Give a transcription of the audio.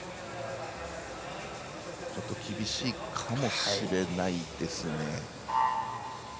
ちょっと厳しいかもしれないですね。